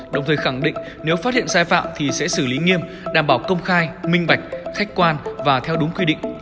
đồng thời khẳng định nếu phát hiện sai phạm thì sẽ xử lý nghiêm đảm bảo công khai minh bạch khách quan và theo đúng quy định